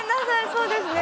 そうですね。